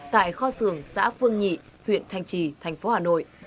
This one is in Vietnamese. tại kho sường xã phương nhị huyện thành trì thành phố hà nội